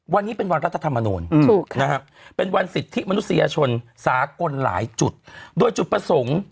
วันนี้เป็นวันและถามโบรนะครับเป็นวันสิทธิ์ที่มนุษยาชนสากลหลายจุดโดยจุดประสงค์